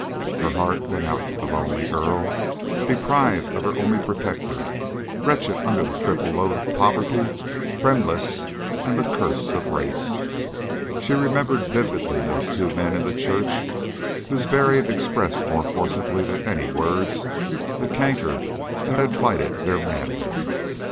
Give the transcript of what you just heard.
Her heart went out to the lonely girl, deprived of her only protector, wretched under the triple load of poverty, friendlessness, and the curse of race. She remembered vividly those two men in the church whose bearing expressed more forcibly than any words the canker that had blighted their manhood.